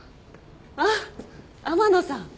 あっ天野さん。